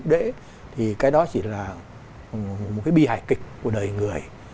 để thì cái đó chỉ là một cái bi hải kịch của đời người